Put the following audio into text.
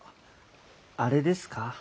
あれですか？